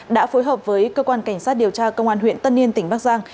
đã phối hợp với cơ quan cảnh sát điều tra công an huyện tân yên tỉnh bắc giang